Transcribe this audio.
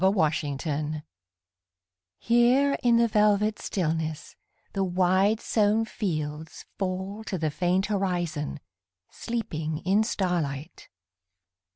THE INDIA WHARF HERE in the velvet stillness The wide sown fields fall to the faint horizon, Sleeping in starlight.